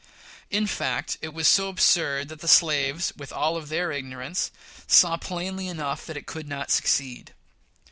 In fact, it was so absurd that the slaves, with all their ignorance, saw plainly enough it could not succeed.